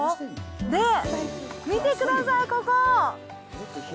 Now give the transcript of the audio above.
で、見てください、ここ。